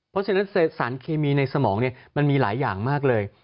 เพราะฉะนั้นสารเคมีในสมองมันมีหลายอย่างมากเลย